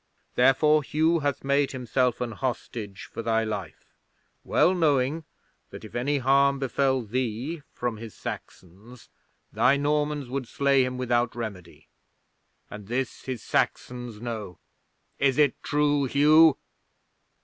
Therefore Hugh hath made himself an hostage for thy life, well knowing that if any harm befell thee from his Saxons thy Normans would slay him without remedy. And this his Saxons know. Is it true, Hugh?"